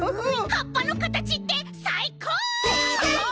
はっぱのかたちってさいこう！